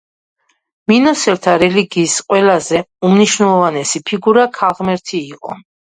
მინოსელთა რელიგიის ყველაზე უმნიშვნელოვანესი ფიგურა ქალღმერთი იყო.